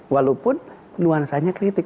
walaupun nuansanya kritik